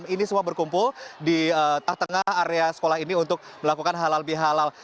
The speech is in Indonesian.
ini semua berkumpul di tengah tengah area sekolah ini untuk melakukan halal bihalal